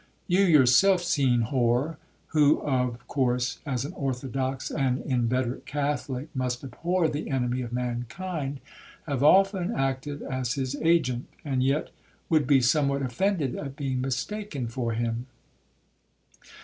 You yourself, Senhor, who, of course, as an orthodox and inveterate Catholic, must abhor the enemy of mankind, have often acted as his agent, and yet would be somewhat offended at being mistaken for him.'